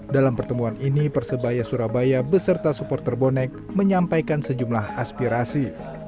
dalam pertemuan ini persebaya surabaya beserta supporter bonek menyampaikan sejumlah aspirasi